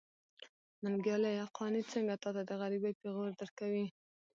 ننګياله! قانع څنګه تاته د غريبۍ پېغور درکوي.